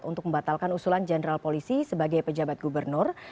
untuk membatalkan usulan jenderal polisi sebagai pejabat gubernur